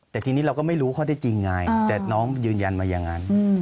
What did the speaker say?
แต่ทีนี้เราก็ไม่รู้ข้อได้จริงไงแต่น้องยืนยันมาอย่างนั้น